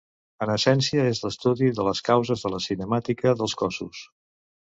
En essència és l'estudi de les causes de la cinemàtica dels cossos.